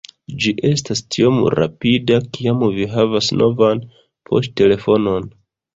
Ĝi estas tiom rapida kiam vi havas novan poŝtelefonon